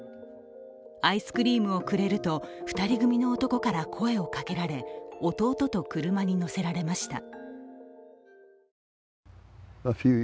アイスクリームをくれると２人組の男から声をかけられ弟と車に乗せられました。